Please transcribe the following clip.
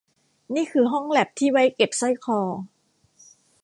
นี่คือห้องแลปที่ไว้เก็บสร้อยคอ